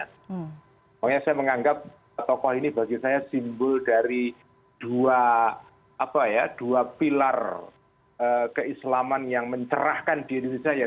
pokoknya saya menganggap tokoh ini bagi saya simbol dari dua pilar keislaman yang mencerahkan diri saya